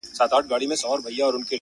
دا دی گيلاس چي تش کړؤ دغه دی توبه کومه-